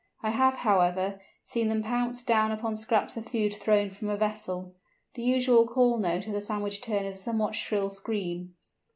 I have, however, seen them pounce down upon scraps of food thrown from a vessel. The usual call note of the Sandwich Tern is a somewhat shrill scream.